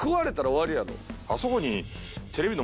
あそこに。